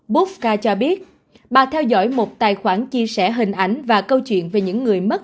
boodca cho biết bà theo dõi một tài khoản chia sẻ hình ảnh và câu chuyện về những người mất